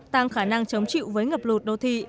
tăng khả năng chống chịu với ngập lụt đô thị